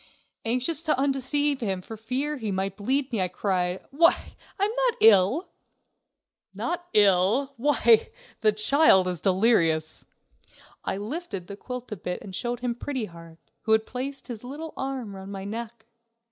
Anxious to undeceive him for fear he might bleed me, I cried: "Why, I'm not ill!" "Not ill! Why, the child is delirious." I lifted the quilt a bit and showed him Pretty Heart, who had placed his little arm round my neck.